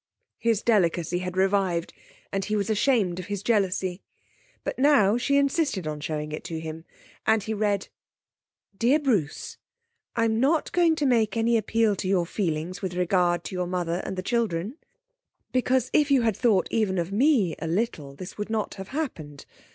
His delicacy had revived and he was ashamed of his jealousy. But now she insisted on showing it to him, and he read: 'DEAR BRUCE, 'I'm not going to make any appeal to your feelings with regard to your mother and the children, because if you had thought even of me a little this would not have happened.